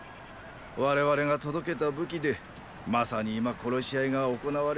我々が届けた武器で正に今殺し合いが行われておる。